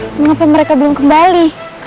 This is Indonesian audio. mengapa mereka belum kembali